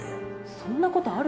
そんなことある？